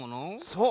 そう。